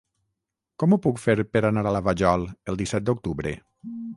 Com ho puc fer per anar a la Vajol el disset d'octubre?